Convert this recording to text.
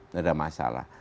tidak ada masalah